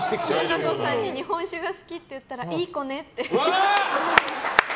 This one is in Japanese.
和歌子さんに日本酒が好きって言ったらいい子ねって。